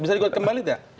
bisa di gugur kembali tidak